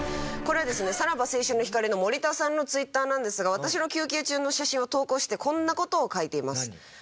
これはですねさらば青春の光の森田さんのＴｗｉｔｔｅｒなんですが私の休憩中の写真を投稿してこんな事を書いています。